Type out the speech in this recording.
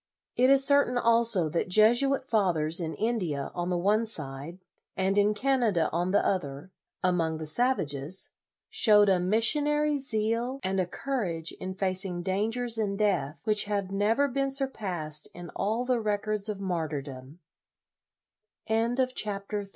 It is certain also that Jesuit fathers, in India on the one side, and in Canada on the other, among the savages, showed a missionary zeal, and a courage in facing dangers and death, which have never been surpassed in all